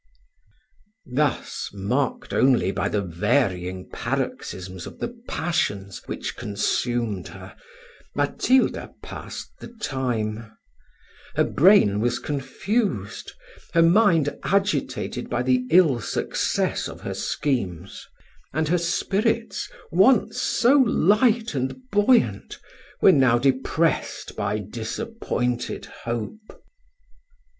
Thus, marked only by the varying paroxysms of the passions which consumed her, Matilda passed the time: her brain was confused, her mind agitated by the ill success of her schemes, and her spirits, once so light and buoyant, were now depressed by disappointed hope.